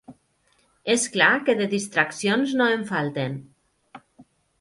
És clar que de distraccions no en falten.